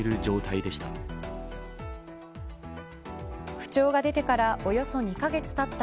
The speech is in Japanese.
不調が出てからおよそ２カ月たった